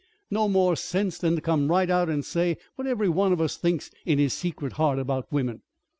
"No more sense than to come right out and say what every one of us thinks in his secret heart about women.